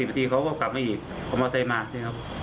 ผมอ้อนโครงมาบอกมางาน